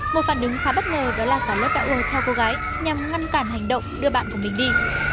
một phản ứng khá bất ngờ đó là cả lớp đã ưa theo cô gái nhằm ngăn cản hành động đưa bạn của mình đi